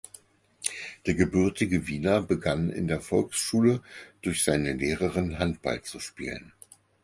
Der gebürtige Wiener begann in der Volksschule durch seine Lehrerin Handball zu spielen.